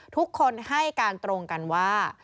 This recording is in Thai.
ทุกคนให้การตรงกันว่า